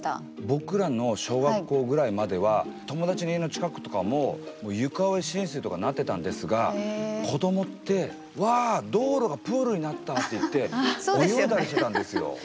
僕らの小学校ぐらいまでは友達の家の近くとかも床上浸水とかなってたんですが子供って「うわ道路がプールになった」って言って泳いだりしてたんですよ。